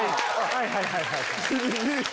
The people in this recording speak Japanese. はいはいはいはい！